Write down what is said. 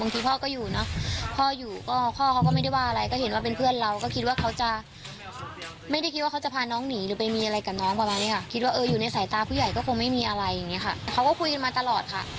เขาก็คุยกันมาตลอดค่ะ